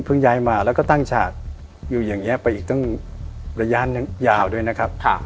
ย้ายมาแล้วก็ตั้งฉากอยู่อย่างนี้ไปอีกตั้งระยะยาวด้วยนะครับ